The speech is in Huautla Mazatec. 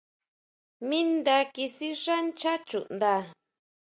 Mi nda kisixá nchá chuʼnda.